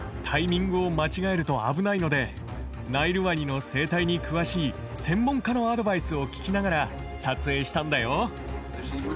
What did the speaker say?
タイミングを間違えると危ないのでナイルワニの生態に詳しい専門家のアドバイスを聞きながら撮影したんだよ。